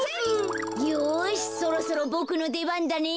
よしそろそろボクのでばんだね。